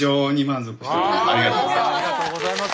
ありがとうございます。